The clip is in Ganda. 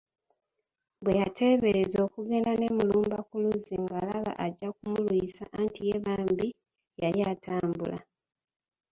Bwe yateebereza okugenda ne Mulumba ku luzzi ng’alaba ajja kumulwisa anti ye bambi yali atambula